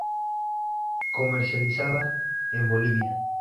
Comercializada en Bolivia.